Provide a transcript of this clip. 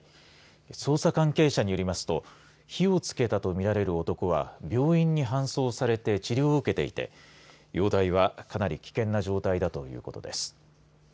捜査関係者によりますと火をつけたとみられる男は病院に搬送されて治療を受けていて容体はかなり危険な状態だということです。